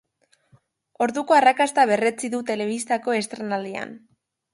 Orduko arrakasta berretsi du telebistako estreinaldian.